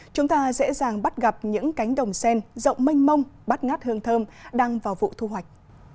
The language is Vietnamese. chúng ta dễ dàng bắt gặp những cánh đồng sen rộng mênh mông bắt ngát hương thơm đang vào vụ thu hoạch